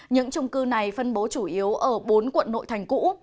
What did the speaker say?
những trung cư này phân bố chủ yếu ở bốn quận nội thành cũ